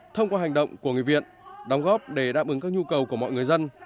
thông qua hành động của người viện đóng góp để đáp ứng các nhu cầu của mọi người dân